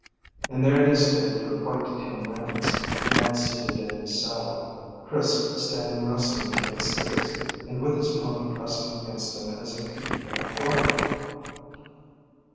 And there they stayed for quite ten minutes, Ned seated in his saddle, Chris standing resting against his, and with his pony pressing against him as if to keep him upright.